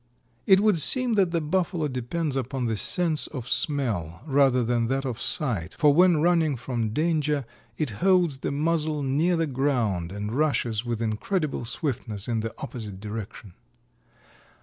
It would seem that the Buffalo depends upon the sense of smell rather than that of sight, for when running from danger it holds the muzzle near the ground and rushes with incredible swiftness in the opposite direction.